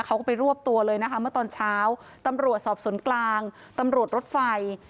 เขาก็ไปรวบตัวเลยนะคะเมื่อตอนเช้าตำรวจสอบสวนกลางตำรวจรถไฟ